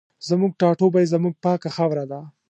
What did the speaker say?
زموږ ټاټوبی زموږ پاکه خاوره ده